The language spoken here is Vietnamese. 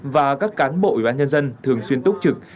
và các cán bộ và nhân dân thường xuyên túc trực